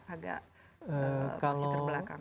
agak masih terbelakang